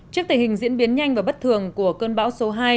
trước tình hình diễn biến nhanh và bất thường của cơn bão số hai